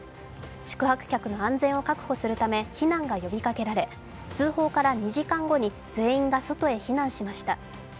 宿泊客の安全を確保するため避難が呼びかけられ通報から２時間後に全員が外へ避難しました。